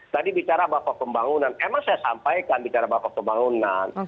tadi bicara bapak pembangunan emang saya sampaikan bicara bapak pembangunan